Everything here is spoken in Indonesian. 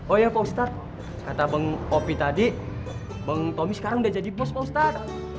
oh ya pak ustadz kata bang opy tadi bang tommy sekarang udah jadi bospo ustadz